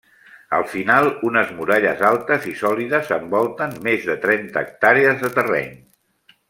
Al final unes muralles altes i sòlides envolten més de trenta hectàrees de terreny.